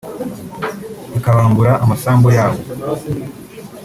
ikabambura amasambu yabo